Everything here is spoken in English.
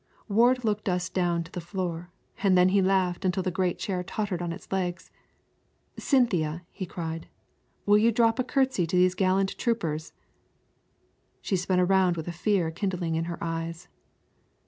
Ward looked us down to the floor, and then he laughed until the great chair tottered on its legs. "Cynthia," he cried, "will you drop a courtesy to the gallant troopers?" She spun around with a fear kindling in her eyes.